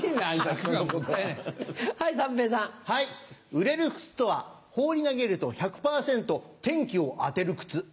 売れる靴とは放り投げると１００％天気を当てる靴。